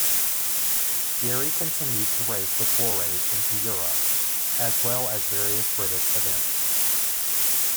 Gerry continued to race with forays into Europe, as well as various British event.